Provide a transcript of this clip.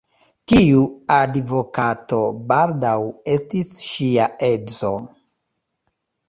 Tiu advokato baldaŭ estis ŝia edzo.